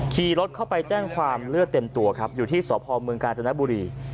ขี่รถเข้าไปแจ้งความเลือดเต็มตัวครับอยู่ที่สพเมืองกาญจนบุรี